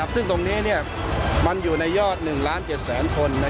ซึ่งตรงนี้มันอยู่ในยอด๑ล้าน๗แสนคน